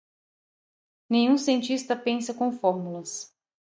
Nenhum cientista pensa com fórmulas.